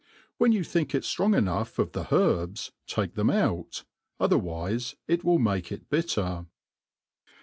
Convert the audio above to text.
When you think it ftrqng enough of the herbs, take them out, otherwife it will mak^ it bitter.